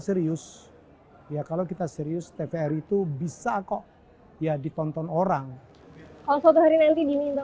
serius ya kalau kita serius tvri itu bisa kok ya ditonton orang kalau suatu hari nanti diminta